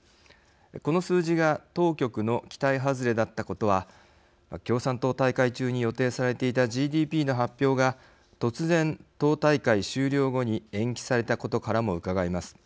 この数字が当局の期待外れだったことは共産党大会中に予定されていたＧＤＰの発表が突然、党大会終了後に延期されたことからもうかがえます。